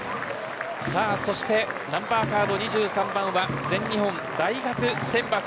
そしてナンバーカード２３番は全日本大学選抜。